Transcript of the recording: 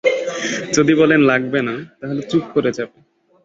যদি বলেন লাগবে না, তাহলে চুপ করে যাবে।